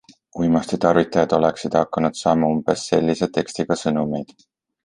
Uimastitarvitajad oleksid hakanud saama umbes sellise tekstiga sõnumeid.